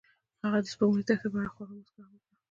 هغې د سپوږمیز دښته په اړه خوږه موسکا هم وکړه.